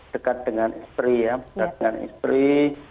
dekat dengan istri